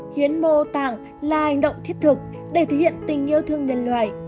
hiến mô tạng là hành động thiết thực để thể hiện tình yêu thương nhân loại